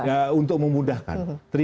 ya untuk memudahkan